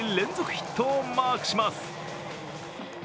ヒットをマークします。